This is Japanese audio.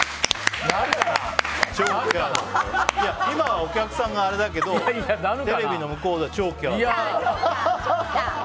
今はお客さんがあれだけどテレビの向こうは超キャーだよ。